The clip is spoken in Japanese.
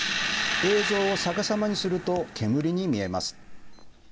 映像をさかさまにすると煙に見えます。